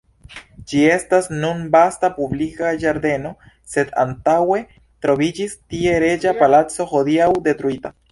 Ĝi estas nun vasta publika ĝardeno, sed antaŭe troviĝis tie reĝa palaco, hodiaŭ detruita.